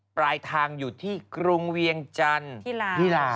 ปลายทางอยู่ที่กรุงเวียงจันทร์ที่ลา